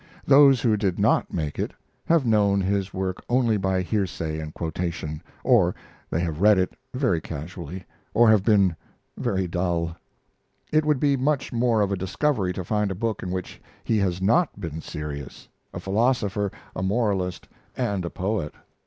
Those who did not make it have known his work only by hearsay and quotation, or they have read it very casually, or have been very dull. It would be much more of a discovery to find a book in which he has not been serious a philosopher, a moralist, and a poet.